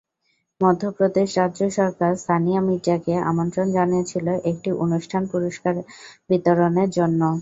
মধ্যপ্রদেশ রাজ্য সরকার সানিয়া মির্জাকে আমন্ত্রণ জানিয়েছিল একটি অনুষ্ঠানে পুরস্কার বিতরণের জন্য।